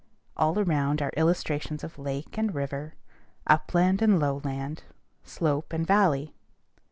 All around are illustrations of lake and river, upland and lowland, slope and valley.